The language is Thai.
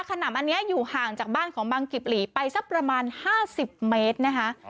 ขนำอันนี้อยู่ห่างจากบ้านของบังกิบหลีไปสักประมาณ๕๐เมตรนะคะ